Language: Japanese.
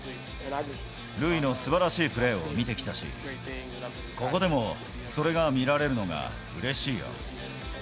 塁のすばらしいプレーを見てきたし、ここでもそれが見られるのがうれしいよ。